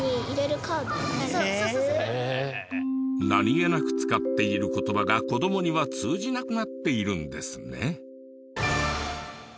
何げなく使っている言葉が子どもには通じなくなっているんですね。